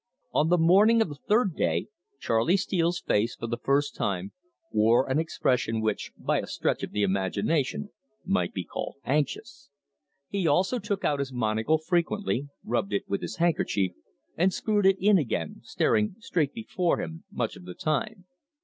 On the morning of the third day Charley Steele's face, for the first time, wore an expression which, by a stretch of imagination, might be called anxious. He also took out his monocle frequently, rubbed it with his handkerchief, and screwed it in again, staring straight before him much of the time.